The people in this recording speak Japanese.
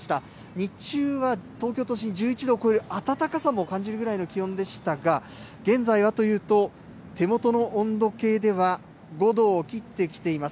日中は東京都心１１度を超える暖かさも感じるぐらいの気温でしたが現在はというと手元の温度計では５度を切ってきています。